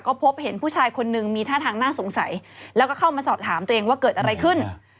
ก็พบเห็นผู้ชายคนนึงมีท่าทางน่าสงสัยแล้วก็เข้ามาสอบถามตัวเองว่าเกิดอะไรขึ้น